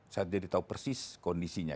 saya jadi tahu persis kondisinya